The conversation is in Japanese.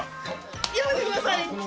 やめてください。